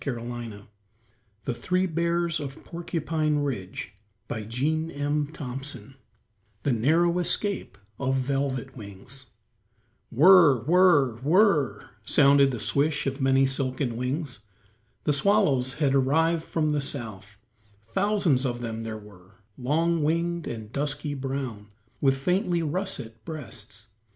[Illustration: THE NARROW ESCAPE OF VELVET WING] XXII THE NARROW ESCAPE OF VELVET WINGS "Whir, whir, whir," sounded the swish of many silken wings. The swallows had arrived from the South; thousands of them there were, long winged and dusky brown, with faintly russet breasts.